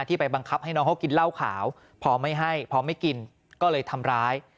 ไปบังคับให้น้องเขากินเหล้าขาวพอไม่ให้พอไม่กินก็เลยทำร้าย